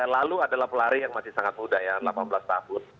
lalu adalah pelari yang masih sangat muda ya delapan belas tahun